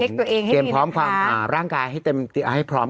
ตัวเองเตรียมพร้อมความอ่าร่างกายให้เต็มให้พร้อม